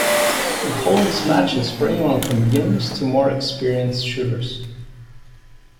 It holds matches for anyone from beginners to more experienced shooters.